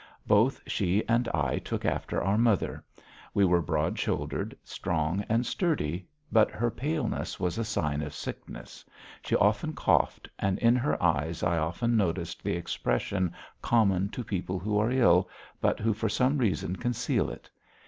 Both she and I took after our mother; we were broad shouldered, strong, and sturdy, but her paleness was a sign of sickness, she often coughed, and in her eyes I often noticed the expression common to people who are ill, but who for some reason conceal it.